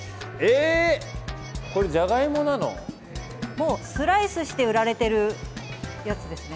もうスライスして売られてるやつですね。